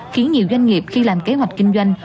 khiến nhiều doanh nghiệp khi làm kế hoạch kinh doanh